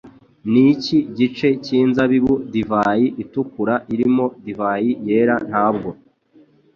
Niki gice cyinzabibu divayi itukura irimo divayi yera ntabwo